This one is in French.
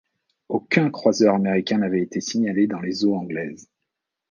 Aucun croiseur américain n’avait été signalé dans les eaux anglaises.